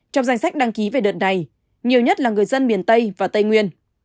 trong danh sách đăng ký về đợt này nhiều nhất là người dân miền tây và tây nguyên